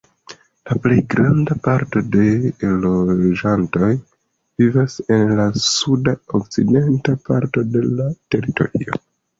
La plej granda parto de loĝantoj vivas en la sud-okcidenta parto de la teritorio.